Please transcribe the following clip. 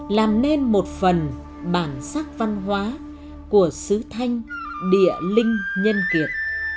làm nên một phần bản sắc văn hóa của sứ thanh địa linh nhân kiệt